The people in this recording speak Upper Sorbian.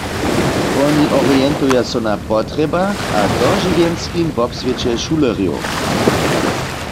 Woni orientuja so na potrjebach a dožiwjenskim wobswěće šulerjow.